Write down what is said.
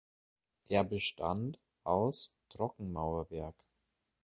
Er bestand aus Trockenmauerwerk.